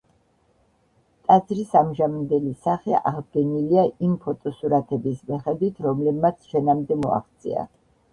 ტაძრის ამჟამინდელი სახე აღდგენილია იმ ფოტოსურათების მიხედვით რომლებმაც ჩვენამდე მოაღწია.